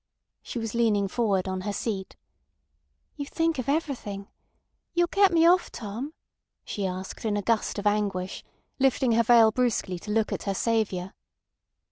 She was leaning forward on her seat. "You think of everything. ... You'll get me off, Tom?" she asked in a gust of anguish, lifting her veil brusquely to look at her saviour.